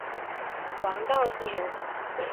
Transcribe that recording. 王道义人。